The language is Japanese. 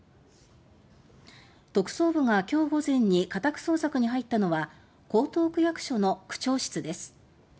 特捜部が今日午前に家宅捜索に入ったのは江東区役所の区長室です。